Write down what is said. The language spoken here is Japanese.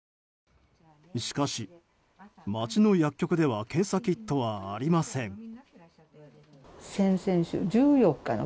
しかし、街の薬局では検査キットはありません。